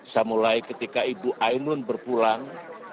saya mulai ketika ibu ainun berpulang